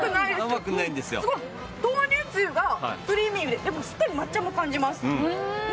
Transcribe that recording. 豆乳つゆがクリーミーででも既に抹茶も感じます。